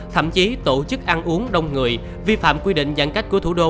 thậm chí tổ chức ăn uống đông người vi phạm quy định giãn cách của thủ đô